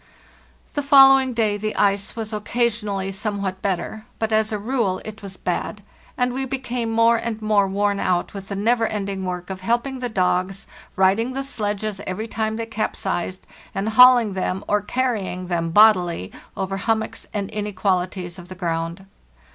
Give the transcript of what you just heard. The following day the ice was occasionally somewhat better; but as a rule it was bad, and we became more and more worn out with the never ending work of help ing the dogs, righting the sledges every time they cap sized, and hauling them, or carrying them bodily, over hummocks and inequalities of the ground.